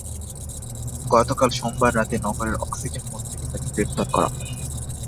গতকাল সোমবার রাতে নগরের অক্সিজেন মোড় থেকে তাঁকে গ্রেপ্তার করা হয়।